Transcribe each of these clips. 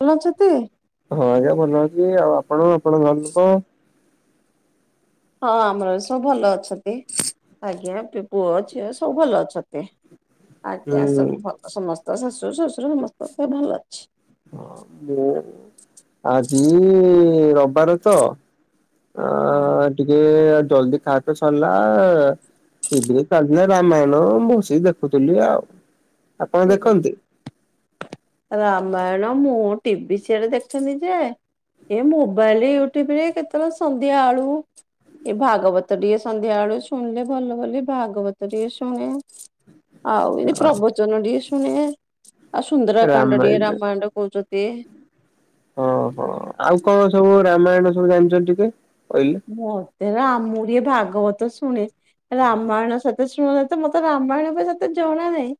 ଆଲୋ ଚୁତି ହଁ, ଆଜ୍ଞା ଭଲ ଅଛି। ଆଉ ଆପଣ ଆପଣ ଙ୍କ ଘର ଲୋକ? ହଁ ଆମର ସବୁ ଭଲ ଅଛନ୍ତି। ଆଜ୍ଞା, ପୁଅ, ଝିଅ ସବୁ ଭଲ ଅଛନ୍ତି। ଆଜ୍ଞା ହୁଁ ସବୁ ଭଲ ସମସ୍ତ ଶାଶୁ ଶ୍ୱଶୁର ସମସ୍ତ ଭଲ ଅଛି। ହଁ ମୁଁ ଆଜି ରବିବାର ତ ହଁ ଅ ଟିକେ ଜଲ୍ଦି ଖାଇତେ ସରିଲା। ଟିଭିରେ ଚାଲିଥିଲା ରାମାୟଣ ମୁଁ ବସିକି ଦେଖୁଥିଲି ଆଉ। ଆପଣ ଠିକ୍ ଦେଖନ୍ତି? ଅଛି। ରାମାୟଣ ମୁଁ ଟିଭି ସିଏରେ ଦେଖେନି ଯେ। ଏ ମୋବାଇଲ୍ ୟୁଟ୍ୟୁବ୍ ରେ କେତବଳେ ସନ୍ଧ୍ୟା ଆଳୁ। ଏ ଭାଗବତ ଟିକେ ସନ୍ଧ୍ୟା ବେଳୁ ଶୁଣିଲେ ଭଲ ବୋଲି ଭାଗବତ ଟିକେ ଶୁଣେ। ଆଉ ଏ ପ୍ରବଚନ ଟିକେ ଶୁଣେ ଆଉ ସୁନ୍ଦରାକାଣ୍ଡଟିଏ ରାମାୟଣ ରାମାୟଣରେ କହୁଚନ୍ତି। ଏ। ଓ ହୋ ଆଉ କଣ ସବୁ ରାମାୟଣ ସବୁ ଜାଣିଛନ୍ତି ଟିକେ କହିଲେ? ମତେ କଣ ଆ ମୁଁ ଟିକେ ଭାଗବତ ଶୁଣେ ରାମାୟଣ ସତେ ସୁ ଣେ ତ ମୋତେ ରାମାୟଣ ତ ସେତେ ଜଣା ନାହିଁ।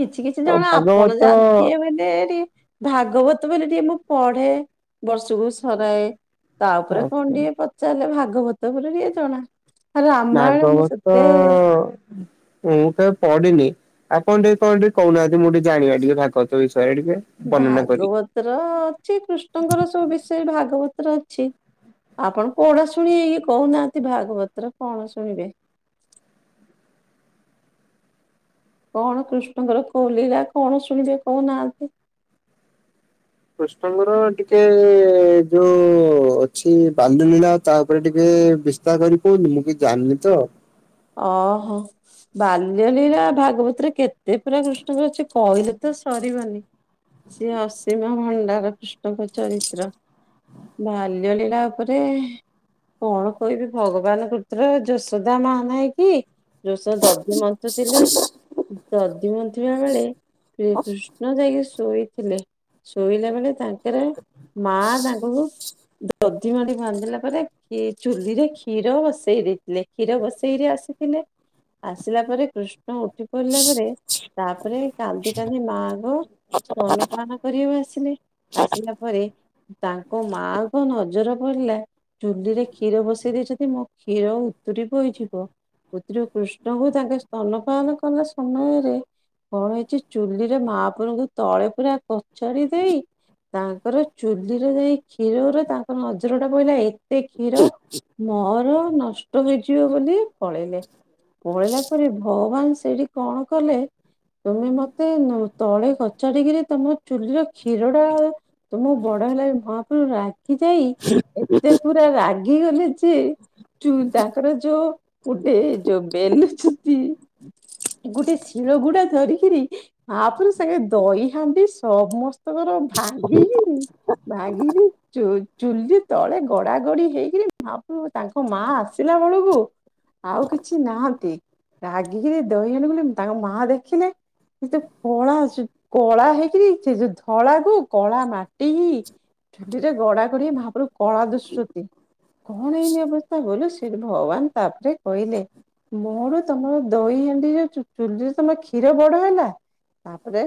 କିଛି କିଛି ଆଉ ଜଣ ଆପଣ ଭାଗବତ ଯାଣିଥିବେ ବୋଇଲେ ଟିକେ। ଭାଗବତ ବୋଇଲେ ଟିକେ ମୁଁ ପଢେ। ବର୍ଷକୁ ସରାଏ ତା ଉପରେ କଣ ଆଚ୍ଛା। ଟିକେ‌ ପଚାରିଲେ ଭାଗବତ ବୋଲି ଟିକେ ଜଣା। ରାମାୟଣ ମୁଁ ଭାଗବତ, ସେତେ ମୁଁ ତ ପଡିନି। ଆପଣ ଟିକେ କଣ ଟିକେ କହୁନାହାନ୍ତି ମୁଁ ଟିକେ ଜାଣିବା ଟିକେ ଭାଗବତ ବିଷୟରେ ଟିକେ। ବର୍ଣ୍ଣନା କରି। ଭାଗବତର ଅଛି କୃଷ୍ଣଙ୍କର ସବୁ ବିଷୟରେ ଭାଗବତରେ ଅଛି। ଆପଣ କୋଉଡା ଶୁଣିବେ କି କହୁନାହାନ୍ତି ଭାଗବତ୍ ର କଣ ଶୁଣିବେ? କଣ କୃଷ୍ଣଙ୍କ ର କୋଉ ଲୀଳା କଣ ଶୁଣିବେ କଉ ନାହାନ୍ତି? କୃଷ୍ଣଙ୍କର ଟିକେ ଯୋଉ ଅଛି ବାଲ୍ୟ ଲୀଳା ତା ଉପରେ ଟିକେ ବିସ୍ ଚିନ୍ତା କରି କହୁଥିଲି। ମୁଁ କିଛି ଜାଣିନି ତ। ଅ ହଁ। ବାଲ୍ୟଲୀଳା ଭାଗବତ ରେ କେତେ ପୁରା ବୃଷ୍ଟି କରିଛି କଇଲେ ତ ସରିବନି। ସିଏ ଅସୀମ ଭଣ୍ଡାର କୃଷ୍ଣଙ୍କ ଚରିତ୍ର। ବାଲ୍ୟଲୀଳା ଉପରେ। କଣ କହିବି ଭଗବାନ ପୂତ୍ର ଯଶୋଦା ମା। ନାଇଁ କି ଯୋଉ ସେ ଦଧି ମନ୍ଥୁଥିଲେ ଦଧି ମନ୍ଥିବା ବେଳେ। କିଏ କୃଷ୍ଣ ଯାଇକି ଶୋଇଥିଲେ ଶୋଇଲା ବେଳେ ତାଙ୍କେରେ। ମା ତାଙ୍କ କୁ। ଦଧି ଭାଣ୍ଡି ଭାଙ୍ଗିଲା ପରେ ଖି ଚୁଲିରେ କ୍ଷୀର ବସେଇ ଦେଇଥିଲେ କ୍ଷୀର ବସ ଇ କିରି ଆସିଥିଲେ ଆସିଲା ପରେ କୃଷ୍ ତୁ ଉଠି ପଡିଲା ପରେ ତାପରେ କାନ୍ଦି କାନ୍ଦି ମାଙ୍କୁ। ସ୍ତନପାନ କରିବାକୁ ଆସିଲେ ଆସିଲା ପରେ‌। ତାଙ୍କ ମାଆଙ୍କ ନଜର ପଡିଲା। ଚୁଲିରେ କ୍ଷୀର ବସେଇ ଦେଇଛନ୍ତି ମୋ କ୍ଷୀର ଉତୁରି ପଇଚି। କୂଅ ପୁତ୍ରି କୃଷ୍ଣଙ୍କୁ ତାଙ୍କେ ସ୍ତନ ପାଳନ କଲା ସମୟରେ। କଣ ହେଇଛି ଚୁଲିରେ ମାପୁରୁ ଙ୍କୁ ତଳେ ପୁରା କଚାଡି ଦେଇ। ତାଙ୍କର ଚୁଲିରେ ଯାଇ କ୍ଷୀର ଗୁରା ତାଙ୍କ ନଜରଟା ପଇଲା ଏ ଏତେ କ୍ଷୀର ମୋର ନଷ୍ଟ ହୋଇଯିବ ବୋଲି ପଳେଇଲେ। ପଳେଇଲା ପରେ ଭଗବାନ ସେଇଠି କଣ କଲେ। ତମେ ମତେ ନୁ ତଳେ କଚାଡିକିରି ତମ ଚୁଲିର କ୍ଷୀରଟା। ତ ମୁଁ ବଡ ହେଲେ ମହାପ୍ରଭୁ ରାଗି ଯାଇ। ଏତେ ପୁରା ରାଗିଗଲେ ଯେ ଚୁଲି ତାଙ୍କର ଯୋଉ। ଗୁଟେ ଯୋଉ ବେଲୁଛୁତି ଗୁଟେ ଶିଳ ଗୁଡା ଧରିକିରି‌। ମାହାପୁରୁ ସାଙ୍ଗେ ଦହି ହାଣ୍ଡି ସମସ୍ତଙ୍କର ଭାଙ୍ଗିକିରି। ଭାଙ୍ଗିକି‌। ଚୁ ଚୁଲି ତଳେ ଗଡା ଗଡି ହେଇକିରି ମହାପ୍ରଭୁ ତାଙ୍କ ମା ଆସିଲା ବେଳକୁ। ଆଉ କିଛି ନାହାନ୍ତି ରାଗିକିରି ଦହି ହାଣ୍ଡି ମାନେ ତାଙ୍କ ମା ଦେଖିଲେ। ସେ ତ କଳା ଆଛୁ। କଳା ହେଇକିରି ସେ ଯୋଉ ଧଳାକୁ କଳା ମାଟିିକି‌। ଝୁଲିରେ ଗଡା ଗଡି ହେଇକି ମାହାପୁରୁ କଳା ଦିଶୁଛନ୍ତି। କଣ ଏଇଁତି ଅବସ୍ଥା ବୋଇଲେ ସେଇଠି ଭଗବାନ ତାପରେ କହିଲେ। ମୋର ତମର ଦହି ହାଣ୍ଡି ରେ ଚୁ ଚୁଲିରେ ତମ କ୍ଷୀର ବଡ ହେଲା। ତାପରେ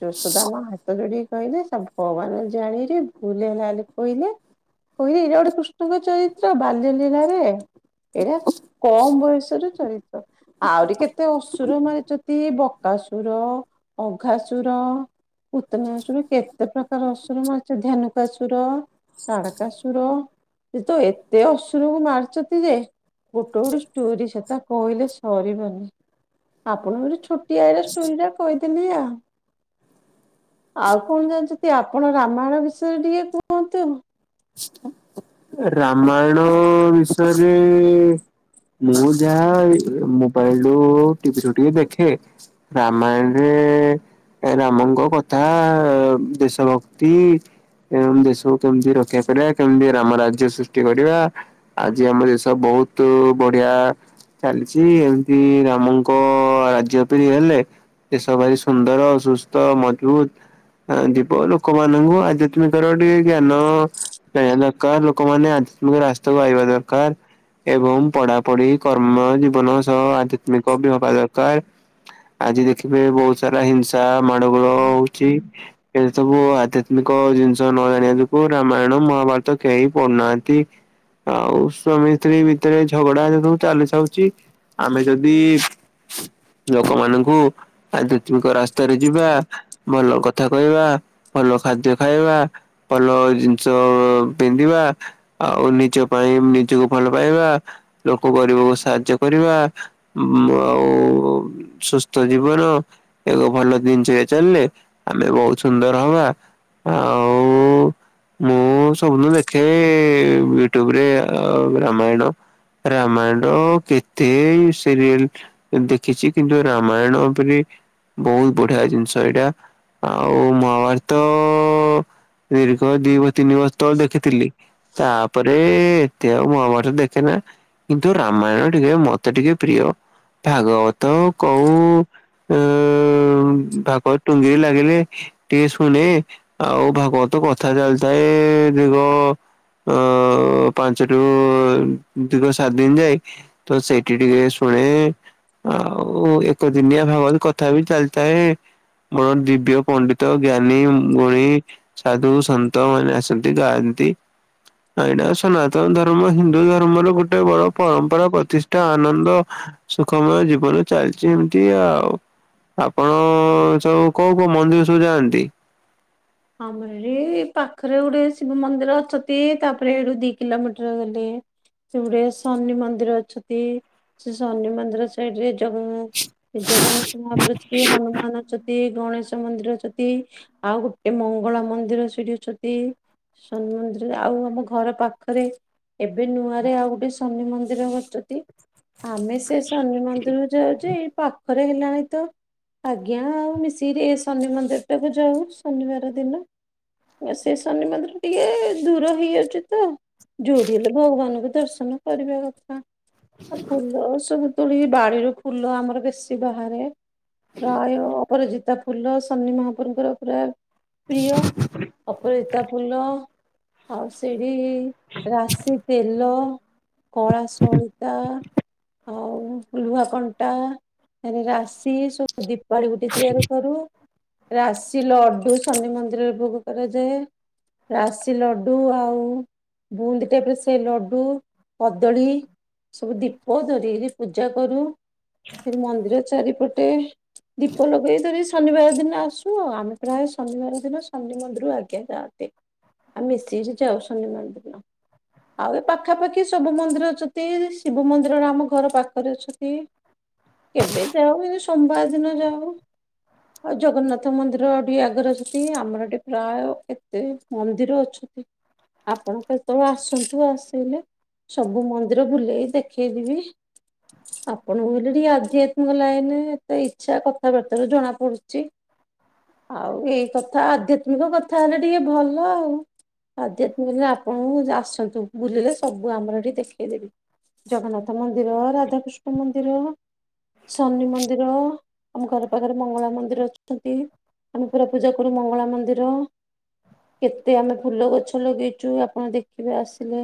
ଯୋଶୋଦା ମା ହାତ ଯୋଡିିକି କହିଲେ ଭଗବାନ ଜାଣେ ଭୁଲ ହେଲା କହିଲେ। କହିଲି ଏଇଟା ଗୋଟେ କୃଷ୍ଣଙ୍କ ଚରିତ୍ର ବାଲ୍ୟ ଲୀଳାରେ। ଏଇଟା କମ ବୟସରୁ ଚରିତ୍ର। ଆଉରି କେତେ ଅସୁର ମାରିଚତି ବକାସୁର, ଅଘାସୁର। ପୁତନାସୁର କେତେ ପ୍ରକାର ଅସୁର ମାରିଚୁ ଧେନୁକାସୁର। ତାଡକାସୁର ଇଏ ତ ଏତେ ଅସୁରକୁ ମାରିଛନ୍ତି ଯେ ଗୋଟେ ଗୋଟେ ଷ୍ଟୋରି ସେତ କହିଲେ ସରିବନି। ଆପଣଙ୍କୁ ଗୋଟେ ଛୋଟିଆରେ ଷ୍ଟୋରିଟା କହିଦେଲି ଆଉ। ଆଉ କଣ ଜାଣିଛନ୍ତି ଆପଣ ରାମାୟଣ ବିଷୟରେ ଟିକେ କୁହନ୍ତୁ? ରାମାୟଣ ବିଷୟରେ ମୁଁ ଯାହା ଏଇ ମୋବାଇଲ୍ ରୁ ଟିଭିରୁ ଟିକେ ଦେଖେ। ରାମାୟଣରେ ରାମଙ୍କ କଥା ଦେଶ ଭକ୍ତି ଏ ଆମ୍ ଦେଶକୁ କେମ୍ତି ରକ୍ଷା କରିବା କେମ୍ଦିଆ ରାମ ରାଜ୍ୟ ସୃଷ୍ଟି କରିବା ଆଜି ଆମ ଦେଶ ବହୁତୁ ବଢିଆ। ଚାଲିଛି ଏମିତି ରାମଙ୍କ ରାଜ୍ୟ ପାଇଁ ହେଲେ। ଦେଶ ଭାରି ସୁନ୍ଦର ସୁସ୍ଥ ମଜବୁତ ଯିବ ଲୋକମାନଙ୍କୁ ଆଧ୍ୟାତ୍ମିକର ଟିକେ ଜ୍ଞାନ ହେଲା। ଦରକାର ଲୋକମାନେ ଆମିକ ରାସ୍ତାକୁ ଆଇବା ଦରକାର। ଏବଂ ପଢାପଢି କର୍ମ ଜୀବନ ସହ ଆଧ୍ୟାତ୍ମିକ ବିଭବା ଦରକାର। ଆଜି ଦେଖିବେ ବହୁତ ସାରା ହିଂସା ମାଡଗୋଳ ହଉଛି। ଏ ସବୁ ଆଧ୍ୟାତ୍ମିକ ଜିନିଷ ନ ଜାଣିବାକୁ ରାମାୟଣ, ମହାଭାରତ କେହି ପଡୁନାହାନ୍ତି। ଆଉ ସ୍ୱାମୀ ସ୍ତ୍ରୀ ଭିତରେ ଝଗଡା ସବୁ ଚାଲି ଥାଉଛି। ଆମେ ଯଦି ଲୋକମାନଙ୍କୁ ଆଧ୍ୟାତ୍ମିକ ରାସ୍ତାରେ ଯିବା, ଭଲ କଥା କହିବା, ଭଲ ଖାଦ୍ୟ ଖାଇବା। ଭଲ ଜିନିଷ ଅ ପିନ୍ଧିବା। ଆଉ ନିଜ ପାଇଁ ନିଜକୁ ଭଲ ପାଇବା। ଲୋକ ଗରିବକୁ ସାହାଯ୍ୟ କରିବା। ମୁ ଆଉ ସୁସ୍ଥ ଜୀବନ ଏକ ଭଲ ଜିନିଷ ଚାଲିଲେ ଆମେ ବହୁତ ସୁନ୍ଦର ହବା। ଆଉ ମୁଁ ସବୁଦିନ ଦେଖେ ୟୁଟ୍ୟୁବରେ ଆ ରାମାୟଣ ରାମାୟଣ କେତେ ସିରିଏଲ ଦେଖିଛି କିନ୍ତୁ ରାମାୟଣ ଉପରେ ବହୁତ ବଢିଆ ଜିନିଷ ଏଇଟା। ଆଉ ମହାଭାରତ ଦୀର୍ଘ ଦି ତ ଦେଖିଥିଲି ତାପରେ ଏତେ ଆଉ ମୁଁ ଆମରେ ଦେଖେନା କିନ୍ତୁ ରାମାୟଣ ଟିକେ ମତେ ଟିକେ ପ୍ରିୟ। ଭାଗବତ କହୁ, ଉଁ ଭାଗବତ ଟୁଙ୍ଗିରେ ଲାଗିଲେ ଟିକଏ ଶୁଣେ। ଆଉ ଭାଗବତ କଥା ଚାଲିଥାଏ ଦିଘ ଅ ପାଞ୍ଚ ଟୁ ଦୀର୍ଘ ସାତ ଦିନ ଯାଏ। ତ ସେଇଠି ଟିକେ ଶୁଣେ। ଆଉ ଏକ ଦିନିଆ ଭାବରେ କଥା ବି ଚାଲିଥାଏ। ମୋର ଦିବ୍ୟ ପଣ୍ଡିତ, ଜ୍ଞାନୀ, ଗୁଣୀ, ସାଧୁ, ସନ୍ତ ମାନେ ଆସନ୍ତି। ଗାନ୍ତି ଏଇଟା ସନାତନ ଧର୍ମ ହିନ୍ଦୁ ଧର୍ମର ଗୋଟେ ବଡ ପରମ୍ପରା ପ୍ରତିଷ୍ଠା ଆନନ୍ଦ ସୁଖମୟ ଜୀବନ ଚାଲିଛି ଏମିତି ଆଉ। ଆପଣ ସବୁ କୋଉ କୋଉ ମନ୍ଦିର ସବୁ ଯାଆନ୍ତି? ଆମର ଏଇ ପାଖରେ ଗୋଟେ ଶିବ ମନ୍ଦିର ଅଛନ୍ତି। ତାପରେ ଏଇଠୁ ଦି କିଲୋମିଟର ଗଲେ ସେ ଗୁଟେ ଶନି ମନ୍ଦିର ଅଛନ୍ତି, ସେ ଶନି ମନ୍ଦିର ହେତିରେ ଜଗର ଜଗନ୍ନାଥ ମହାପୁରୁ ଅଚତି ହନୁମାନ ଅଚତି ଗଣେଶ ମନ୍ଦିର ଅଚ ତି ଆଉ ଗୁଟେ ମଙ୍ଗଳା ମନ୍ଦିର ସେଠି ଅଚତି। ଶନି ମନ୍ଦିର ଆଉ ଆମ ଘର ପାଖରେ ଏବେ ନୂଆରେ ଆଉ ଗୁଟେ ଶନି ମନ୍ଦିର ବସିଚନ୍ତି ଆମେ ସେ ଶନି ମନ୍ଦିର ଯାଉଚି। ପାଖରେ ହେଲାଣି ତ ଆଜ୍ଞା ଆଉ ମିଶିକି ଶନି ମନ୍ଦିର ଟାକୁ ଯାଉ ଶନିବାର ଦିନ ସେ ଶନି ମନ୍ଦିର ଟିକେ ଦୂର ହେଇଯାଉଚି ତ। ଯଉଠି ହେଲେ ଭଗବାନଙ୍କୁ ଦର୍ଶନ କରିବା କଥା। ଆଉ ଫୁଲ ସବୁ ତୁଳିକି, ବାଡିରୁ ଫୁଲ ଆମର ବେଶୀ ବାହାରେ। ପ୍ରାୟ ଅପରାଜିତା ଫୁଲ ଶନି ମହାପୁରୁଙ୍କର ପୁରା ପ୍ରିୟ ଅପରାଜିତା ଫୁଲ ଆଉ ସେଠି ରାଶି ତେଲ କଳା ସଳିତା ଆଉ ଲୁହା କଣ୍ଟା ଆରେ ରାଶି ସବୁ ଦୀପଳି ଗୁଟେ ତିଆରି କରୁ ରାଶି ଲ ହେ ଶନି ମନ୍ଦିରରେ ଭୋଗ କରାଯାଏ ରାଶି ଲଡୁ ଆଉ ବୁନ୍ଦି ଟାଇପର ସେଇ ଲଡୁ କଦଳୀ ସବୁ ଦୀପ ଧରିକିରି ପୂଜା କରୁ। ସେଠି ମନ୍ଦିର ଚାରିପଟେ ଦୀପ ଲଗେଇ ଧରି ଶନିବାର ଦିନ ଆସୁ ଆଉ ଆମେ ପ୍ରାୟ ଶନିବାର ଦିନ ଶନି ମନ୍ଦିରୁ ଆଜ୍ଞା ଯାଆନ୍ତି। ଆଉ ମିଶିକିରି ଯାଉସନ୍ତି ମନ୍ଦିର। ହ ଆଉ ଏ ପାଖାପାଖି ସବୁ ମନ୍ଦିର ଅଛତି ଶିବ ମନ୍ଦିରରେ ଆମ ଘର ପାଖରେ ଅଛତି। କେବେ ଯାଉ ଏଜଉ ସୋମବାର ଦିନ ଯାଉ ଆଉ ଜଗନ୍ନାଥ ମନ୍ଦିର ଇ ଆଗର ଯେତିକି ଆମର ଏଠି ପ୍ରାୟ କେତେ ମନ୍ଦିର ଅଛତି। ଆପଣ କେତେବେଳେ ଆସନ୍ତୁ ଆସିଲେ ସବୁ ମନ୍ଦିର ବୁଲେଇି ଦେଖେଇଦେବି। ଆପଣଙ୍କୁ ହେଲେ ଟିକେ ଆଧ୍ୟାତ୍ମିକ ଲାଇନରେ ଏତେ ଇଚ୍ଛା କଥାବାର୍ତ୍ତାରୁ ଜଣା ପଡୁଛି। ଆଉ ଏଇ କଥା ଆଧ୍ୟାତ୍ମିକ କଥା ହେଲେ ଟିକେ ଭଲ ଆଉ। ଆଧ୍ୟାତ୍ମିକ ହେଲେ ଆପଣଙ୍କୁ ଆସନ୍ତୁ ବୁଲିଲେ ସବୁ ଆମର ଏଠି ଦେଖେଇଦେବି। ଜଗନ୍ନାଥ ମନ୍ଦିର ରାଧାକୃଷ୍ଣ ମନ୍ଦିର ଶନି ମନ୍ଦିର ଆମ ଘର ପାଖରେ ମଙ୍ଗଳା ମନ୍ଦିର ଅଛନ୍ତି। ଆମେ ପୁରା ପୂଜା କରୁ ମଙ୍ଗଳା ମନ୍ଦିର। କେତେ ଆମେ ଫୁଲ ଗଛ ଲଗେଇଚୁ ଆପଣ ଦେଖିବେ ଆସିଲେ।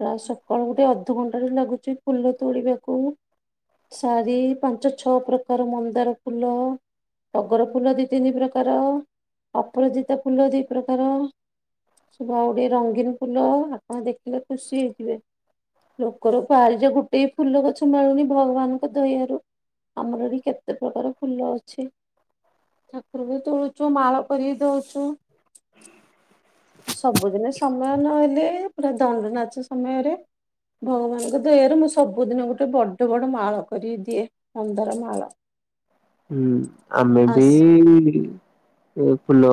ପ୍ରାୟ ସକାଳୁ ଗୁଟେ ଅଧଘଣ୍ଟାଟେ ଲାଗୁଚି ଫୁଲ ତୁଳିବାକୁ। ଶାରି ପାଞ୍ଚ ଛଅ ପ୍ରକାର ମନ୍ଦାର ଫୁଲ ଟଗର ଫୁଲ ଦି ତିନି ପ୍ରକାର ଅପରାଜିତା ଫୁଲ ଦି ପ୍ରକାର ୁ ଆଉ ବି ରଙ୍ଗୀନ ଫୁଲ ଆପଣ ଦେଖିଲେ ଖୁସି ହେଇଯିବେ। ଲୁକର ବାରିଜେ ଗୁଟେ ଫୁଲ ଗଛ ମିଳୁନି ଭଗବାନଙ୍କ ଦୟାରୁ ଆମର ଏଠି କେତେ ପ୍ରକାର ଫୁଲ ଅଛି। ଠାକୁରଙ୍କୁ ତୁଳୁଚୁ ମାଳ କରିକି ଦଉଚୁ ହଁ ସବୁଦିନ ସମୟ ନହେଲେ ପୁରା ଦଣ୍ଡ ନାଚ ସମୟରେ ଭଗବାନଙ୍କ ଦୟାରୁ ମୁଁ ସବୁଦିନ ଗୁଟେ ବଡ ବଡ ମାଳ କରିକି ଦିଏ ମନ୍ଦାର ମାଳ। ହୁଁ ଆମେ ବି ଆସ୍ ଇ ଇ ଏ ଫୁଲ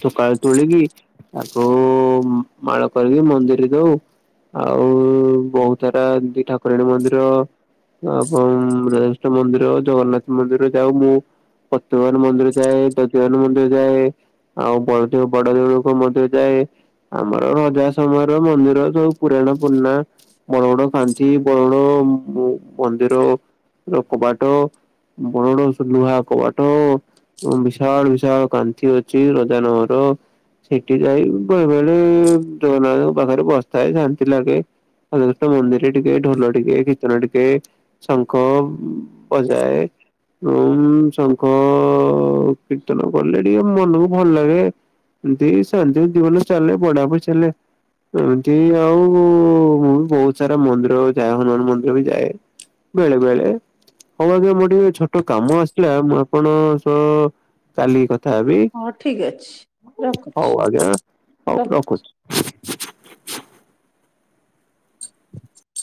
ସକାଳେ ତୁଳିକି ତାକୁ ମାଳ କରିକି ମନ୍ଦିରେ ଦଉ। ଆଉ ବହୁତ ସାରା ଏମତି ଠାକୁରାଣୀ ମନ୍ଦିର ଆ ଆପଣ [inaudible] ମନ୍ଦିର ଜଗନ୍ନାଥ ମନ୍ଦିର ଯାଉ ମୁଁ ପତିତପାବନ ମନ୍ଦିର ଯାଏ ଦଧିବାମନ ମନ୍ଦିର ଯାଏ। ଆଉ ବ ବଡଦଉ ଲୋକ ମଧ୍ୟ ଯାଏ। ଆମର ରଜା ସମୟର ମନ୍ଦିର ସବୁ ପୁରାଣ ପୁରୁଣା ବରଣ ଖାନ୍ତି ବରଣ ମନ୍ଦିରର କବାଟ ବଣଡ ଲୁହା କବାଟ। ବିଶାଳ ବିଶାଳ କାନ୍ନ୍ତି ଅଛି ରଜ ନମର ସେଠି ଯାଇ ବେଳେ ବେଳେ ଜଗନ୍ନାଥଙ୍କ ପାଖରେ ବସିଥାଏ ଶାନ୍ତି ଲାଗେ। ମନ୍ଦିର ଟିକେ ଢୋଲ ଟିକେ କୀର୍ତନ ଟିକେ। ଶଙ୍କ ପ ଯାୟ ଉ ଶଙ୍ଖ କୀର୍ତ୍ତନ କଲେ ଟିକେ ମନକୁ ଭଲ ଲାଗେ। ଦ ସଧ୍ୟ ଜବନ ଚା ବଡ଼ାପ ଚାଲ। ଏମିତି ଆଉ ମୁଁ ବି ବହୁତ ସାରା ମନ୍ଦିର ଯାଏ ହନୁମାନ ମନ୍ଦିର ବି ଯାଏ। ବେଳେ ବେଳେ ହଉ ଆଜ୍ଞା ମୋ ଟିକେ ଛୋ ଗୋଟ କାମ ଆସିଲା ମୁଁ ଆପଣ ସହ କାଲି କଥା ଥା ହେବି ହଁ ଠିକ୍ ଅଛି ରଖୁଛି। ହଉ ଆଜ୍ଞା ହଉ ର ରଖୁଛି। [inaudible]